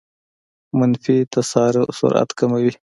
منفي تسارع سرعت کموي.